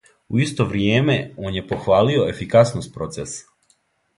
У исто вријеме, он је похвалио "ефикасност процеса".